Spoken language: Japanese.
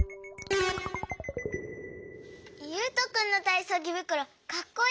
ゆうとくんのたいそうぎぶくろかっこいい！